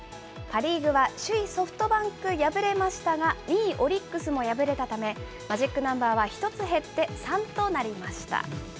パ・リーグは首位ソフトバンクが敗れましたが、２位オリックスも敗れたため、マジックナンバーは１つ減って３となりました。